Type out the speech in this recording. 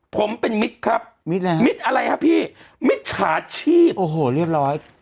ผมเป็นมิตรครับมิตรแล้วมิตรอะไรครับพี่มิจฉาชีพโอ้โหเรียบร้อย